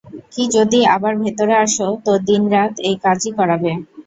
কী যদি, আবার ভেতরে আসো, তো দিন-রাত এই কাজই করাবে।